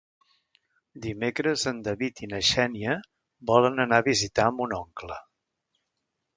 Dimecres en David i na Xènia volen anar a visitar mon oncle.